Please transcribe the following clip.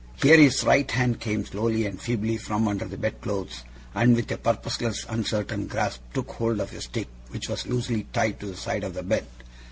Here his right hand came slowly and feebly from under the bedclothes, and with a purposeless uncertain grasp took hold of a stick which was loosely tied to the side of the bed.